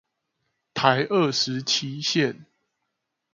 台二十七線